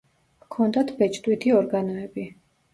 ჰქონდათ ბეჭდვითი ორგანოები.